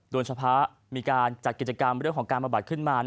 โดยเฉพาะมีการจัดกิจกรรมเรื่องของการประบัดขึ้นมา